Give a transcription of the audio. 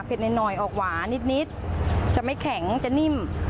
เผ็ดในน้อยออกหวานิดจะไม่แข็งจะนิ่ม